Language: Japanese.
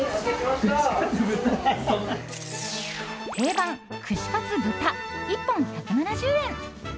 定番、串カツ豚１本１７０円。